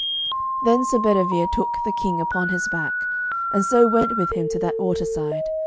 Then Sir Bedivere took the King upon his back, and so went with him to that waterside.